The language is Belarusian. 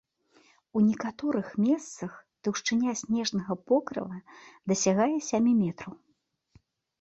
У некаторых месцах таўшчыня снежнага покрыва дасягае сямі метраў!